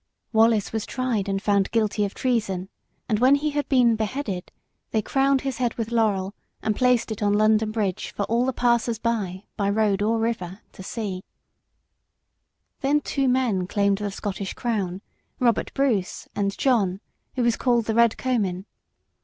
Wallace was tried and found guilty of treason, and when he had been beheaded, they crowned his head with laurel and placed it on London Bridge, for all the passers by, by road or river, to see. [Sidenote: A.D. 1305.] Then two men claimed the Scottish crown, Robert Bruce and John, who was called the Red Comyn.